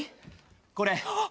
これ。